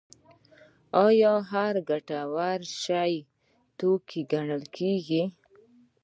آیا هر ګټور شی توکی ګڼل کیږي؟